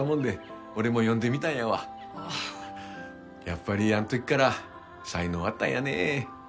やっぱりあん時から才能あったんやね。